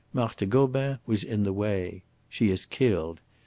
Marthe Gobin was in the way. She is killed.